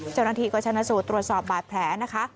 เจ้าหน้าที่ก็ชนะสูตรตรวจสอบบาดแผลนะคะ